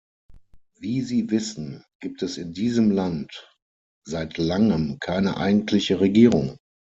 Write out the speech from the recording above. Wie Sie wissen, gibt es in diesem Land seit langem keine eigentliche Regierung.